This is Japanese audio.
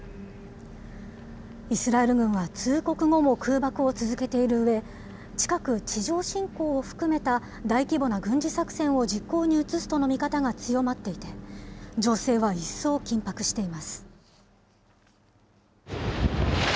イスラエル軍は通告後も空爆を続けているうえ、近く、地上侵攻を含めた大規模な軍事作戦を実行に移すとの見方が強まっていて、情勢は一層緊迫しています。